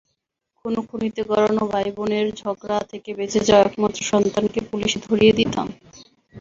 খুনোখুনিতে গড়ানো ভাই-বোনের ঝগড়া থেকে বেঁচে যাওয়া একমাত্র সন্তানকে পুলিশে ধরিয়ে দিতাম?